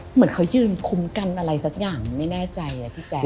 เหมือนเขายืนคุ้มกันอะไรสักอย่างไม่แน่ใจพี่แจ๊ค